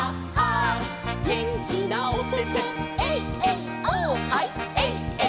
「げんきなおててエイエイオーッ」「ハイ」「」